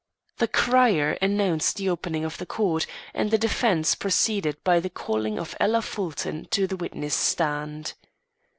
The crier announced the opening of the court, and the defence proceeded by the calling of Ella Fulton to the witness stand.